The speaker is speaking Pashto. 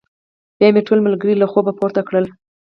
بيا مې ټول ملګري له خوبه پورته کړل.